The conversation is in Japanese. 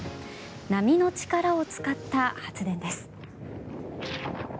波の力を使った発電です。